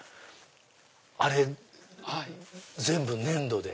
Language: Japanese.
あれ全部粘土で？